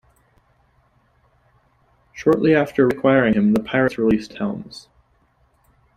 Shortly after reacquiring him, the Pirates released Helms.